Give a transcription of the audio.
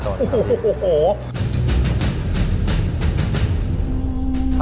๑๔๐๐ต้นครับ